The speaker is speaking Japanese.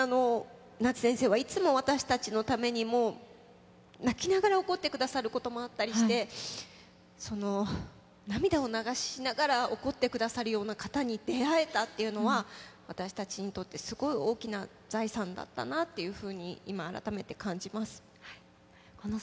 夏先生はいつも私たちのために、もう泣きながら怒ってくださることもあったりして、涙を流しながら怒ってくださるような方に出会えたっていうのは、私たちにとってすごい大きな財産だったなっていうふうに今、改めて感じます。